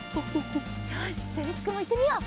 よしじゃありつくんもいってみよう。